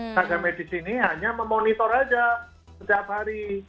tenaga medis ini hanya memonitor saja setiap hari